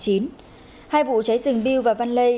các vụ cháy rừng bill và vanley